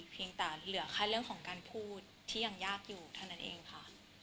เพียงแต่เหลือแค่เรื่องของการพูดที่ยังยากอยู่เท่านั้นเองค่ะ